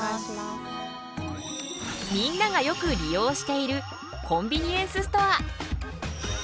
みんながよく利用しているコンビニエンスストア。